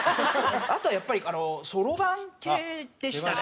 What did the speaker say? あとはやっぱりそろばん系でしたね。